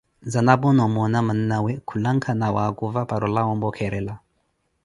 Zanapo na omoona mannawe khulanka nawakhuva para olawa ompwekherela.